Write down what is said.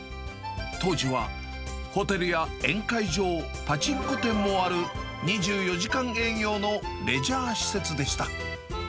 当時は、ホテルや宴会場、パチンコ店もある２４時間営業のレジャー施設でした。